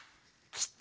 きた！